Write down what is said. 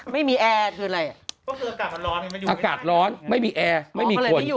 ไม่มีแอร์คืออะไรอากาศร้อนไม่มีแอร์ไม่มีคน